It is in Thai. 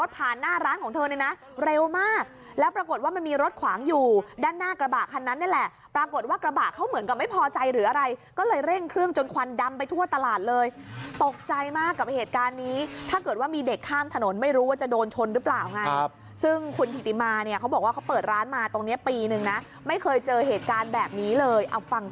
ปรากฏว่ามันมีรถขวางอยู่ด้านหน้ากระบะคันนั้นเนี่ยแหละปรากฏว่ากระบะเขาเหมือนกับไม่พอใจหรืออะไรก็เลยเร่งเครื่องจนควันดำไปทั่วตลาดเลยตกใจมากกับเหตุการณ์นี้ถ้าเกิดว่ามีเด็กข้ามถนนไม่รู้ว่าจะโดนชนรึเปล่าไงครับซึ่งคุณถิติมาเนี่ยเขาบอกว่าเขาเปิดร้านมาตรงนี้ปีนึงนะไม่เคยเจอเหตุการณ์แบบน